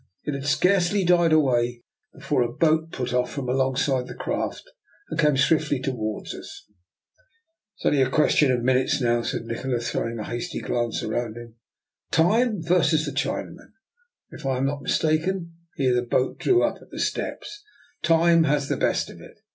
It had scarcely died away before a boat put off from alongside the craft and came swiftly towards us. " It is only a question of minutes now," said Nikola, throwing a hasty glance round him. " Time versus the Chinaman, and if I am not mistaken "— here the boat drew up at the steps —" time has the best of it.